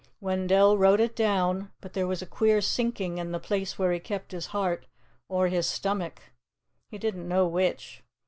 Wendell wrote it down, but there was a queer sinking in the place where he kept his heart or his stomach: he didn't know which.